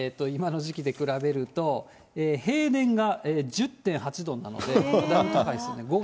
今の時期で比べると、平年が１０．８度なので、だいぶ高いですね。